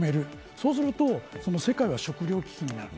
そうすると世界は食糧危機になる。